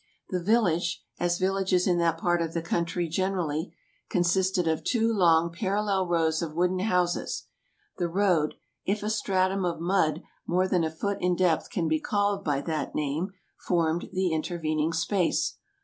The village, as villages in that part of the country gen erally, consisted of two long parallel rows of wooden houses. The road — if a stratum of mud more than a foot in depth can be called by that name — formed the intervening space.